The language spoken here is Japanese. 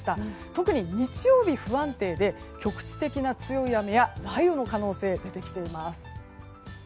特に日曜日が不安定で局地的な強い雨や雷雨の可能性が出てきています。